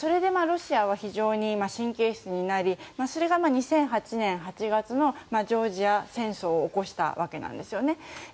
それでロシアは非常に神経質になりそれが２００８年８月のジョージア戦争を起こしたわけなんですよね。